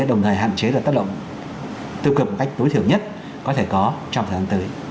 đồng thời hạn chế được tác động tiêu cực một cách tối thiểu nhất có thể có trong thời gian tới